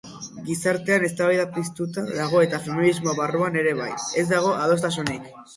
Gizartean eztabaida piztuta dago eta feminismo barruan ere bai, ez dago adostasunik.